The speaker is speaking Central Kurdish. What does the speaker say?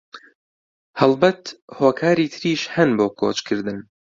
هەڵبەت هۆکاری تریش هەن بۆ کۆچکردن